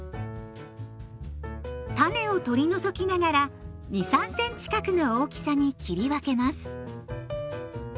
種を取り除きながら２３センチ角の大きさに切り分けます。